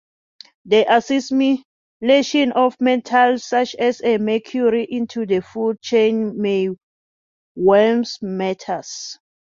The assimilation of metals such as mercury into the food chain may worsen matters.